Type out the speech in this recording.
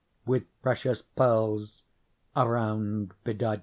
With precious pearls around bedight.